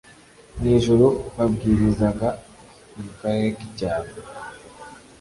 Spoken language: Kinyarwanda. mu ijuru babwirizaga mu karere k icyaro